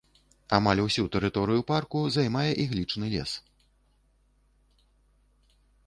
Амаль усю тэрыторыю парку займае іглічны лес.